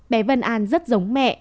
bé vân an rất giống mẹ